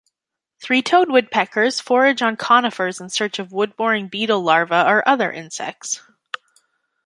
Three-toed woodpeckers forage on conifers in search of wood-boring beetle larvae or other insects.